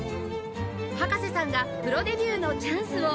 葉加瀬さんがプロデビューのチャンスを